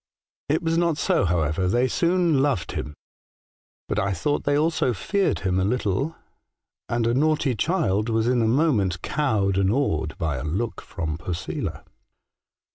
It was not so, however. They soon loved him ; but I thought thej also feared him a little, and a naughty child was in a moment cowed and awed by a look from Posela.